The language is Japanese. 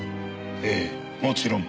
ええもちろん。